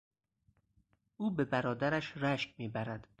او به برادرش رشک میبرد.